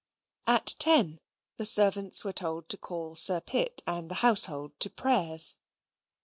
At ten the servants were told to call Sir Pitt and the household to prayers.